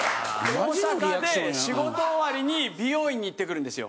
大阪で仕事終わりに美容院に行ってくるんですよ。